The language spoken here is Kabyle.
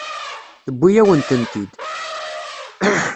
Tewwi-yawen-tent-id.